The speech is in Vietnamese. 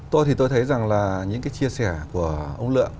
tôi thì tôi thấy rằng là những chia sẻ của ông nượng